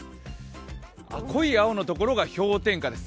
濃い青の所が氷点下です。